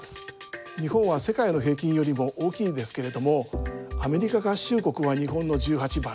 日本は世界の平均よりも大きいんですけれどもアメリカ合衆国は日本の１８倍。